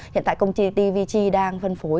hiện tại công ty tvg đang phân phối